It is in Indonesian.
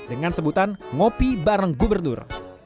dengan sebutan ngopi bareng gubernur